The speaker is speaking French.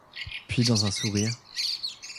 Puis dans un sourire.